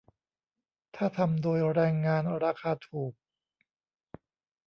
ถ้าทำโดยแรงงานราคาถูก ?